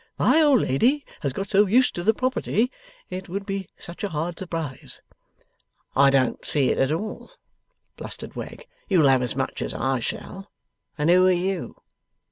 My old lady has got so used to the property. It would be such a hard surprise.' 'I don't see it at all,' blustered Wegg. 'You'll have as much as I shall. And who are you?